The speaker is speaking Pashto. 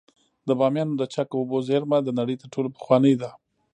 د بامیانو د چک اوبو زیرمه د نړۍ تر ټولو پخوانۍ ده